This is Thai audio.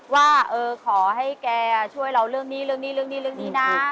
ว่าเออขอให้แกช่วยเราเรื่องนี้เรื่องนี้นะ